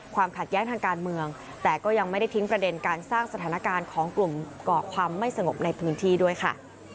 ความขัดแย้งทางการเมืองแต่ก็ยังไม่ได้ทิ้งประเด็นการสร้างสถานการณ์ของกลุ่มก่อความไม่สงบในพื้นที่ด้วยค่ะ